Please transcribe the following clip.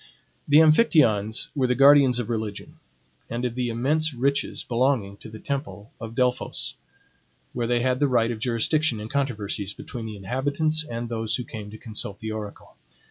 The Amphictyons were the guardians of religion, and of the immense riches belonging to the temple of Delphos, where they had the right of jurisdiction in controversies between the inhabitants and those who came to consult the oracle.